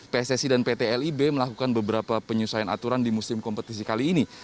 pssi dan pt lib melakukan beberapa penyusuan aturan di musim kompetisi kali ini